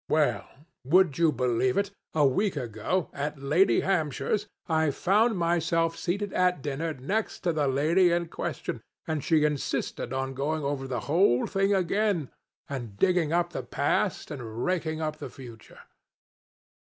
Well—would you believe it?—a week ago, at Lady Hampshire's, I found myself seated at dinner next the lady in question, and she insisted on going over the whole thing again, and digging up the past, and raking up the future.